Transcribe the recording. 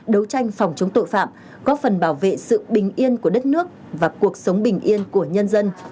đấu tranh phòng chống tội phạm góp phần bảo vệ sự bình yên của đất nước và cuộc sống bình yên của nhân dân